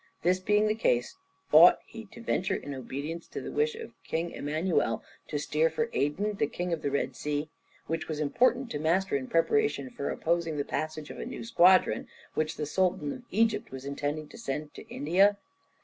This being the case, ought he to venture in obedience to the wish of King Emmanuel to steer for Aden, the key of the Red Sea, which it was important to master in preparation for opposing the passage of a new squadron, which the Sultan of Egypt was intending to send to India?